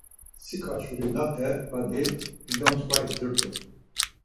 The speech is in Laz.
Mtsika şǩurinate badi, dido msǩva izirt̆u.